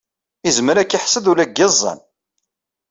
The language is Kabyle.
Izmer ad k-iḥsed ula deg iẓẓan